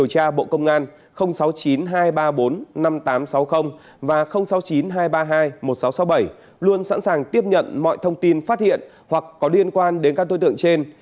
điều tra bộ công an sáu mươi chín hai trăm ba mươi bốn năm nghìn tám trăm sáu mươi và sáu mươi chín hai trăm ba mươi hai một nghìn sáu trăm sáu mươi bảy luôn sẵn sàng tiếp nhận mọi thông tin phát hiện hoặc có liên quan đến các đối tượng trên